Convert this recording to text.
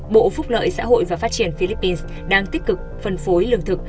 bộ phúc lợi xã hội và phát triển philippines đang tích cực phân phối lương thực